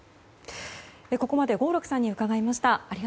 ここまで合六さんに伺いました。